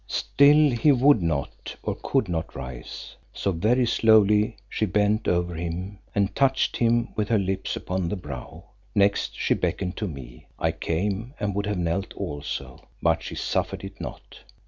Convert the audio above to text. Still he would not, or could not rise, so very slowly she bent over him and touched him with her lips upon the brow. Next she beckoned to me. I came and would have knelt also, but she suffered it not.